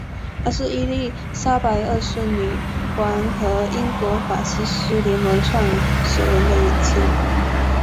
他是伊丽莎白二世女王和英国法西斯联盟创始人的远亲。